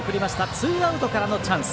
ツーアウトからのチャンス。